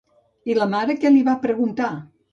I la mare què li va preguntar?